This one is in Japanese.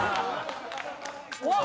うわっ！